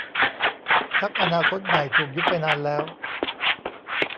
พรรคอนาคตใหม่ถูกยุบไปนานแล้ว